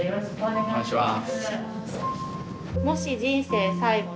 お願いします。